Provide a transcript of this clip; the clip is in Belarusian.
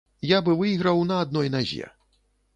Я бы выйграў на адной назе.